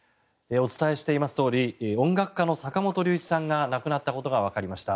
お伝えしていますとおり音楽家の坂本龍一さんが亡くなったことがわかりました。